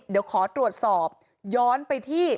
เดี๋ยวขอตรวจสอบย้อนไปที่